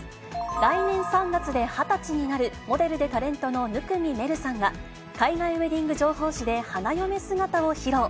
来年３月で２０歳になる、モデルでタレントの生見愛瑠さんが、海外ウエディング情報誌で花嫁姿を披露。